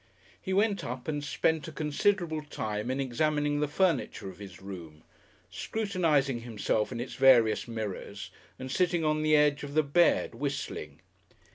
He went up and spent a considerable time in examining the furniture of his room, scrutinising himself in its various mirrors and sitting on the edge of the bed whistling.